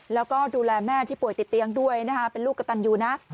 แล้วก็ดูแลแม่ที่ป่วยติดเตียงด้วยนะคะเป็นลูกกระตันยูนะ